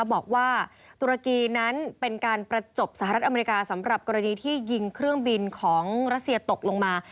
บอกว่าตุรกีนั้นเป็นการประจบสหรัฐอเมริกาสำหรับกรณีที่ยิงเครื่องบินของรัสเซียตกลงมา